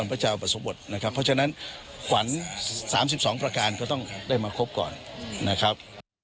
พระเจ้าอุปสมบทนะครับเพราะฉะนั้นขวัญ๓๒ประการก็ต้องได้มาครบก่อนนะครับ